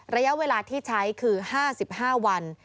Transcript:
ระยะเวลาที่ใช้คือ๕๕วัน